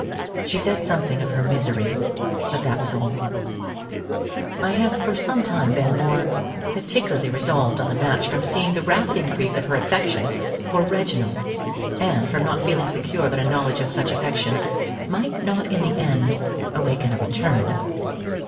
She said something of her misery, but that was all. I have for some time been more particularly resolved on the match from seeing the rapid increase of her affection for Reginald, and from not feeling secure that a knowledge of such affection might not in the end awaken a return.